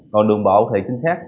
còn đường bộ thì trinh sát